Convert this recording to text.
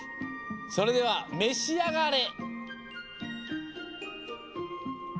それではめしあがれ！